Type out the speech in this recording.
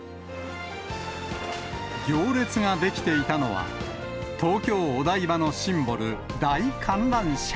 行列が出来ていたのは、東京・お台場のシンボル、大観覧車。